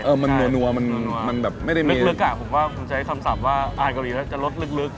เออมันหนัวมันแบบไม่ได้มีลึกอะผมก็ใช้คำศัพท์ว่าอ่านเกาหลีจะรสลึก